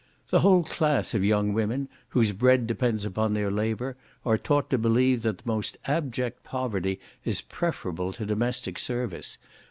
The whole class of young women, whose bread depends upon their labour, are taught to believe that the most abject poverty is preferable to domestic service.